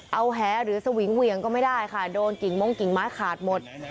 เอาแหหรือสวิงเหวี่ยงก็ไม่ได้ค่ะโดนกิ่งมงกิ่งไม้ขาดหมด